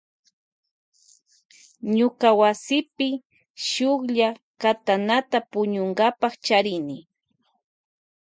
Ñuka wasipi charini shuklla katanata puñunkapa.